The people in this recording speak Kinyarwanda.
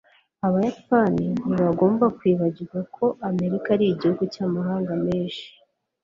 abayapani ntibagomba kwibagirwa ko amerika ari igihugu cy'amahanga menshi